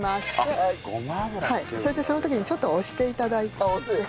それでその時にちょっと押して頂いて。